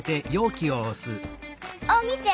あっみて！